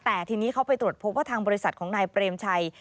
แต่ทีนี้เขาไปตรวจพบว่าทางบริษัทของนายเปรมชัย